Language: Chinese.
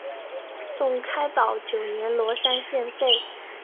宋开宝九年罗山县废。